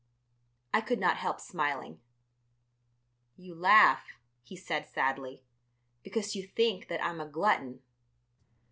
I could not help smiling. "You laugh," he said sadly, "because you think that I'm a glutton.